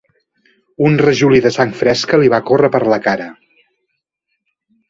Un rajolí de sang fresca li va córrer per la cara.